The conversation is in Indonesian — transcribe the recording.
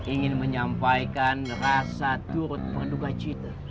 ingin menyampaikan rasa turut penduka cinta